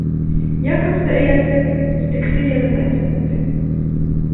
Яковты эйәртеп, итексе янына китте.